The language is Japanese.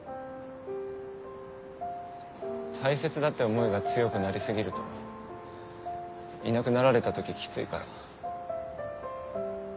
大切だって思いが強くなり過ぎるといなくなられた時キツいから。